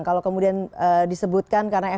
kalau kemudian disebutkan